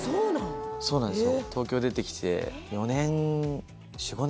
そうなんですよ